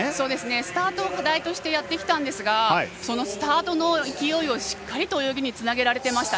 スタートを課題としてやってきたんですがそのスタートの勢いを泳ぎにつなげています。